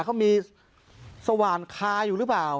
เขามีสว่านคาอยู่หรือเปล่า